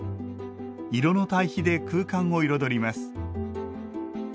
色の対比で空間を彩ります。